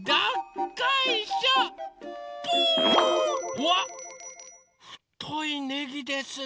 うわっふといねぎですね。